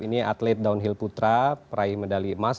ini atlet downhill putra peraih medali emas